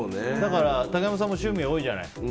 だから、竹山さんも趣味が多いじゃない。